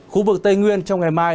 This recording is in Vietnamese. khu vực tây nguyên trong ngày mai